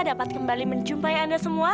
dapat kembali menjumpai anda semua